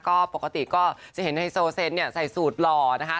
ก็ปกติก็จะเห็นไฮโซเซนเนี่ยใส่สูตรหล่อนะคะ